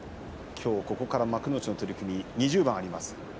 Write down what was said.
きょうここから幕内の取組２０番あります。